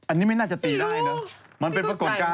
อันนี้ไม่น่าจะตีได้เนอะ